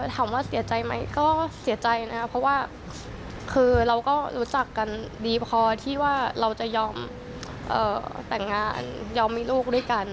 ถามว่าเสียใจไหมก็เสียใจนะครับเพราะว่าคือเราก็รู้จักกันดีพอที่ว่าเราจะยอมแต่งงานยอมมีลูกด้วยกัน